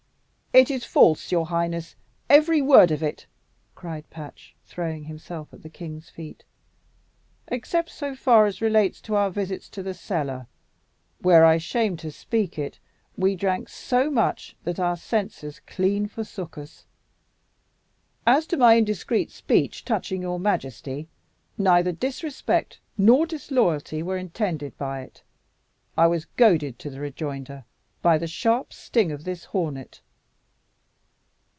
"It is false, your highness, every word of it," cried Patch, throwing himself at the king's feet, "except so far as relates to our visits to the cellar, where, I shame to speak it, we drank so much that our senses clean forsook us. As to my indiscreet speech touching your majesty, neither disrespect nor disloyalty were intended by it. I was goaded to the rejoinder by the sharp sting of this hornet."